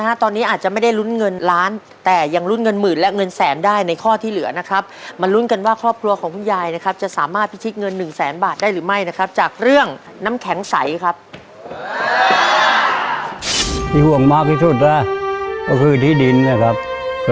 ถูกถูกถูกถูกถูกถูกถูกถูกถูกถูกถูกถูกถูกถูกถูกถูกถูกถูกถูกถูกถูกถูกถูกถูกถูกถูกถูกถูกถูกถูกถูกถูกถูกถูกถูกถูกถูกถูกถูกถูกถูกถูกถูกถูกถูกถูกถูกถูกถูกถูกถูกถูกถูกถูกถูกถ